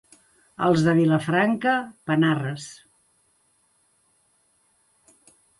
Els de Vilafranca, panarres.